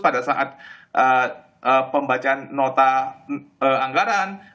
pada saat pembacaan nota anggaran